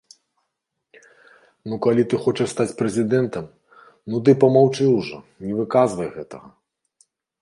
Ну калі ты хочаш стаць прэзідэнтам, ну ты памаўчы ўжо, не выказвай гэтага.